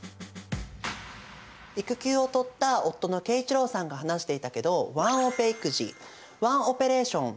育休を取った夫の慶一郎さんが話していたけどワンオペ育児ワンオペレーション。